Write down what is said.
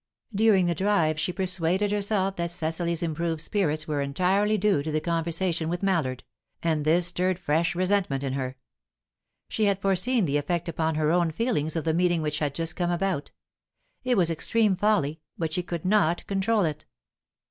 During the drive, she persuaded herself that Cecily's improved spirits were entirely due to the conversation with Mallard, and this stirred fresh resentment in her. She had foreseen the effect upon her own feelings of the meeting which had just come about; it was extreme folly, but she could not control it.